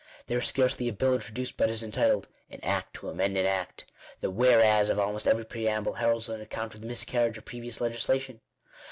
There is scarcely a bill introduced but is entitled " An Act to amend an Act" The "Whereas" of almost every preamble heralds an account of the miscarriage of previous legislation.